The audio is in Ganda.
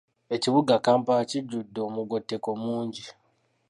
Ekibuga Kampala kijjudde omugotteko mungi.